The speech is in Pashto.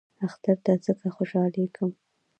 اختر ته ځکه خوشحالیږم .